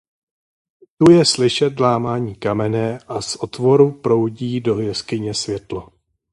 Tu je slyšet lámání kamene a z otvoru proudí do jeskyně světlo.